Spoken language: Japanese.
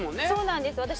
そうなんです。